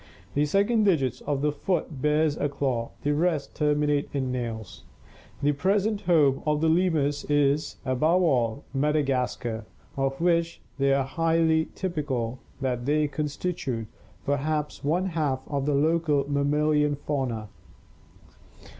The second digit of the foot bears a claw, the rest terminate in nails. The present home of the lemurs is, above all, Madagascar, of which they are so highly typical that they constitute perhaps one half of the local mammalian fauna.